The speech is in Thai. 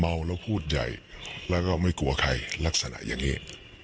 เมาแล้วพูดใหญ่แล้วก็ไม่กลัวใครลักษณะอย่างนี้